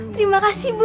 terima kasih bu